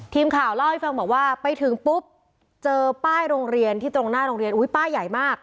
ทีมข่าวเล่าให้ฟังบอกว่าไปถึงปุ๊บเจอป้ายโรงเรียนที่ตรงหน้าโรงเรียนอุ้ยป้ายใหญ่มาก